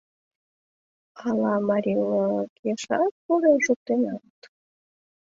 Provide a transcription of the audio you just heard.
Ала марийлыкешат пурен шуктенат?